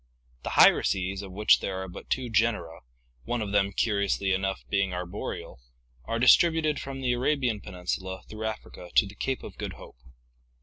The hyraces, of which there are but two genera, one of them, curi ously enough, being arboreal, are distributed from the Arabian Peninsula through Africa to the Cape of Good Hope.